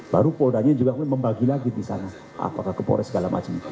baru poldanya juga membagi lagi di sana apakah ke polres segala macam